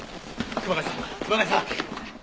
熊谷さん！